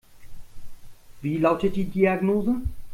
Wie lautet die Diagnose?